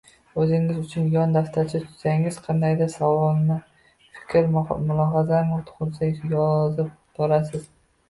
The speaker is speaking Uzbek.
O‘zingiz uchun yon daftarcha tutsangiz, qandaydir savolmi, fikr-mulohazami tug‘ilsa, yozib borasiz.